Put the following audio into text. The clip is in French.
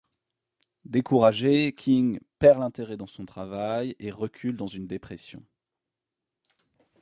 Découragé, King perd l’intérêt dans son travail et recule dans une dépression.